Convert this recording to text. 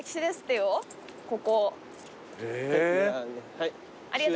はい。